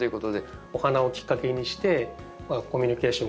お花をきっかけにしてコミュニケーションが取れて。